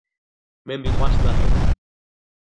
მე მიყვარს ნაყინი